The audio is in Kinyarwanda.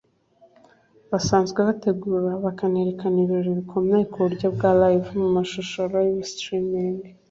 basanzwe bategura bakanerekana ibirori bikomeye ku buryo bwa Live mu mashusho-Live Streaming